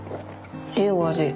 いいお味。